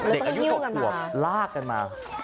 เด็กอายุ๖ขวบลากกันมา